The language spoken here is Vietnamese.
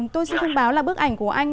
tôi xin thông báo là bức ảnh của anh